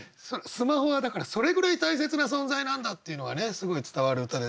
スマホはだからそれぐらい大切な存在なんだっていうのがねすごい伝わる歌ですけれど。